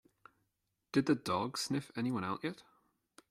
Did the dog sniff anyone out yet?